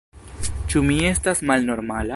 Ĉu mi estas malnormala?